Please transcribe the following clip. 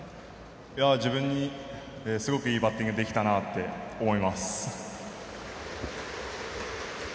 自分にすごくいいバッティングできたなって思います。